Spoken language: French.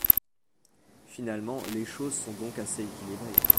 Finalement, les choses sont donc assez équilibrées.